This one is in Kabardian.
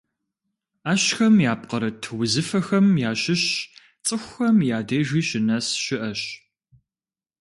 Ӏэщхэм япкъырыт узыфэхэм ящыщ цӀыхухэм я дежи щынэс щыӏэщ.